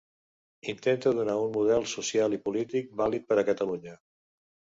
Intenta donar un model social i polític vàlid per a Catalunya.